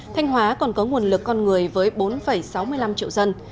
thanh hóa còn có nguồn lực con người với bốn sáu mươi năm triệu dân